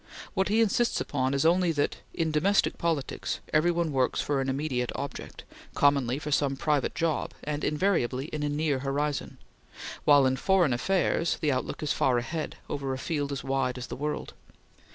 What he insists upon is only that in domestic politics, every one works for an immediate object, commonly for some private job, and invariably in a near horizon, while in foreign affairs the outlook is far ahead, over a field as wide as the world.